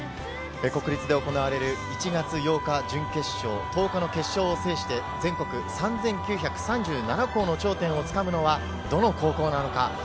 国立で行われる１月８日の準決勝、１０日の決勝を制して、全国３９３７校の頂点をつかむのはどの高校なのか。